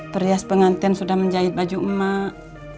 perhias pengantin sudah menjahit baju emak